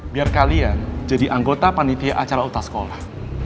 biar kalian jadi anggota panitia acara ultas sekolah